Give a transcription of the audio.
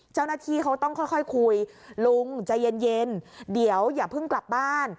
เจ้าหน้าที่เขาต้องค่อยคุยลุงใจเย็นเดี๋ยวอย่าเพิ่งกลับบ้าน